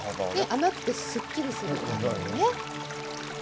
甘くてすっきりするんですよね。